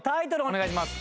お願いします。